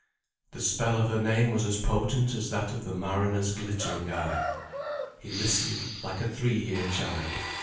The spell of her name was as potent as that of the mariner's glittering eye. "He listened like a three year child."